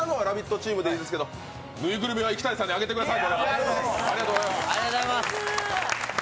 チームでいいですけど、ぬいぐるみは池谷さんにあげてください。